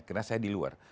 karena saya di luar